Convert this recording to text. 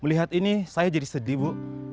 melihat ini saya jadi sedih bu